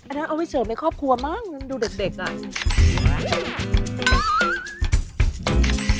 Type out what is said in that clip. อันนั้นเอาไว้เสริมในครอบครัวมาก